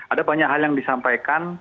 ada banyak hal yang disampaikan